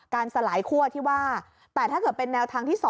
สลายคั่วที่ว่าแต่ถ้าเกิดเป็นแนวทางที่๒